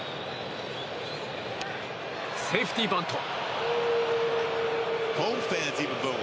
セーフティーバント。